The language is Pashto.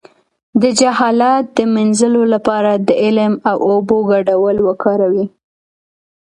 د جهالت د مینځلو لپاره د علم او اوبو ګډول وکاروئ